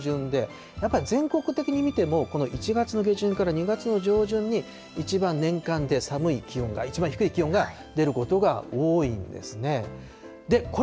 次いで２月の上旬で、やっぱり全国的に見ても、この１月の下旬から２月の上旬に、いちばん年間で寒い気温が、一番低い気温が出ることが多いんですね。